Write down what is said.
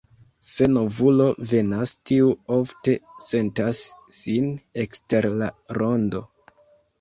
Se novulo venas, tiu ofte sentas sin ekster la rondo.